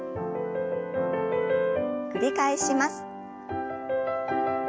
繰り返します。